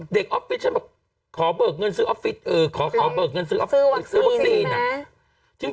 ออฟฟิศฉันบอกขอเบิกเงินซื้อออฟฟิศขอเบิกเงินซื้อวัคซีน